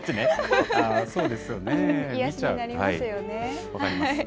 癒やしになりますよね。